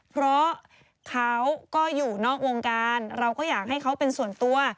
เพราะเขาก็อยู่นอกวงการเราก็อยากให้เขาเป็นส่วนตัว